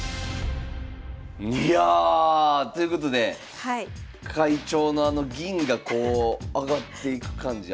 いや！ということで会長のあの銀がこう上がっていく感じ。